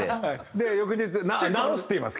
で翌日「直す」って言います。